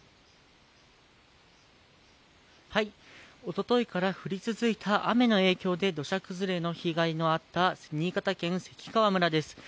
おとといから降り続いた雨の影響で土砂崩れの被害のあった新潟県関川村です。